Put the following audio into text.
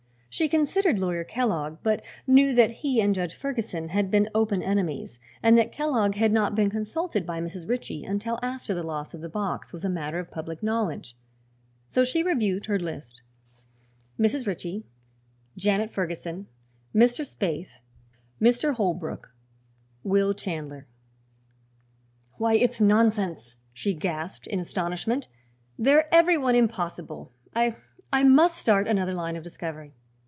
She considered Lawyer Kellogg, but knew that he and Judge Ferguson had been open enemies and that Kellogg had not been consulted by Mrs. Ritchie until after the loss of the box was a matter of public knowledge. So she reviewed her list: Mrs. Ritchie; Janet Ferguson; Mr. Spaythe; Mr. Holbrook; Will Chandler. "Why, it's nonsense!" she gasped in astonishment. "They're every one impossible. I I must start another line of discovery."